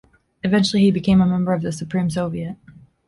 Eventually he became a member of the Supreme Soviet.